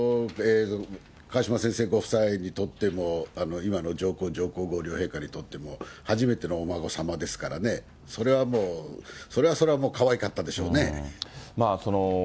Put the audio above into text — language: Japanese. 川嶋先生ご夫妻にとっても、今の上皇上皇后両陛下にとっても初めてのお孫さまですからね、それはもう、それはそれはもうかわいかったでしょうね。